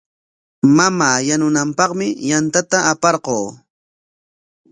Mamaa yanukunanpaqmi yantata aparquu.